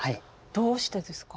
どうしてですか？